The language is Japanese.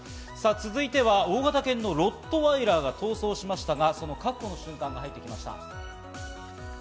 続いては、大型犬のロットワイラーが逃走しましたが、その確保の瞬間が入ってきました。